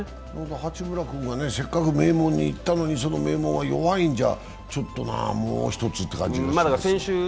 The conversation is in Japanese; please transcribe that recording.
八村君がせっかく名門に行ったのにその名門が弱いんじゃもうひとつっていう感じがする。